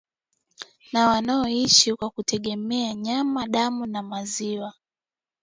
na wanaoishi kwa kutegemea nyama damu na maziwa